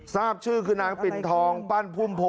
ทราบชื่อคือนางปิ่นทองปั้นพุ่มโพ